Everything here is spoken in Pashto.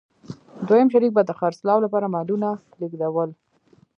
دویم شریک به د خرڅلاو لپاره مالونه لېږدول